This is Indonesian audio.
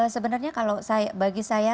sebenarnya kalau bagi saya